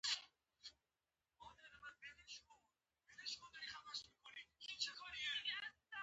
چې په ښار کې چکر وهې.